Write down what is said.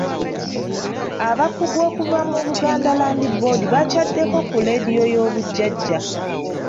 Abakugu okuva mu Buganda Land Board baakyaddeko ku leediyo y'obujjajja.